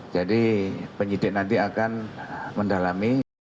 jadi penyidik nanti akan mendalami